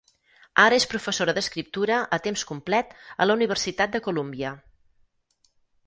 Ara és professora d'escriptura a temps complet a la Universitat de Columbia.